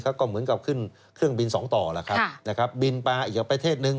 เขาก็เหมือนกับขึ้นเครื่องบินสองต่อแหละครับค่ะนะครับบินปลาอีกกว่าประเทศนึง